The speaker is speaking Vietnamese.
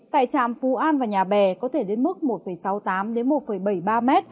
tại trạm phú an và nhà bè có thể lên mức một sáu mươi tám một bảy mươi ba m